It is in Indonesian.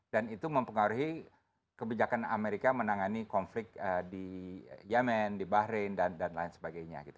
dan itu mempengaruhi kebijakan amerika menangani konflik di yemen bahrain dan lain sebagainya